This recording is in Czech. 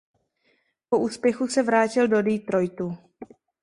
Po úspěchu se vrátil do Detroitu.